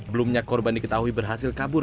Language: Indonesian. belumnya korban diketahui berhasil kabur